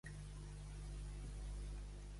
Què va ser d'aquest jove un cop va matar-lo?